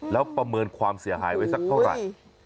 แล้วประเมินความเสียหายไว้สักเท่าไหร่